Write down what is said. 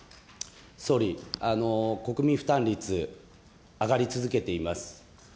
総理、国民負担率、上がり続けています。